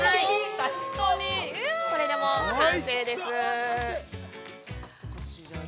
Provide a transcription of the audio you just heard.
◆これで、もう完成です。